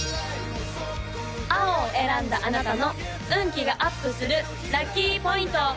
青を選んだあなたの運気がアップするラッキーポイント！